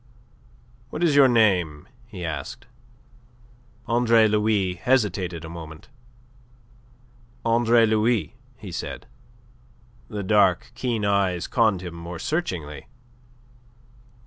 "What is your name?" he asked. Andre Louis hesitated a moment. "Andre Louis," he said. The dark, keen eyes conned him more searchingly.